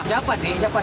siapa deh siapa